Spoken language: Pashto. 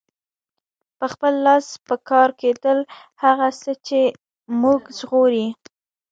په خپله لاس پکار کیدل هغه څه دي چې مونږ ژغوري.